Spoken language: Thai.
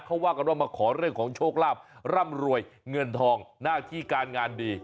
เขาว่ากันว่ามาขอเรื่องของโชคลาภร่ำรวยเงินทองหน้าที่การงานดี